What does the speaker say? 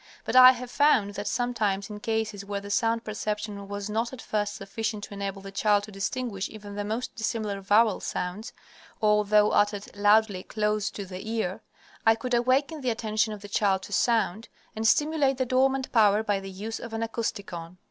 But I have found that sometimes, in cases where the sound perception was not at first sufficient to enable the child to distinguish even the most dissimilar vowel sounds, although uttered loudly close to the ear, I could awaken the attention of the child to sound, and stimulate the dormant power by the use of an Acousticon.